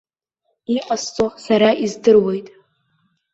Иҟасҵо сара издыруеит.